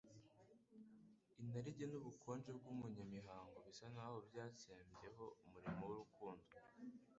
Inarijye n'ubukonje bw'ubunyamihango bisa n'aho byatsembyeho umurimo w'urukundo